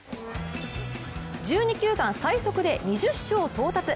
１２球団最速で２０勝到達ＪＥＲＡ